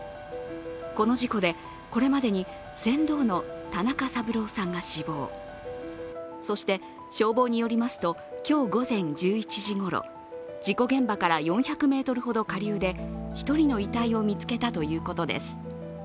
この事故でこれまでに船頭の田中三郎さんが死亡そして、消防によりますと、今日午前１１時ごろ事故現場から４００ｍほど下流で１人の遺体を見つけたということです。